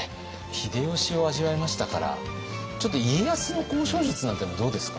秀吉を味わいましたからちょっと家康の交渉術なんていうのもどうですか？